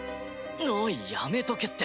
オイやめとけって。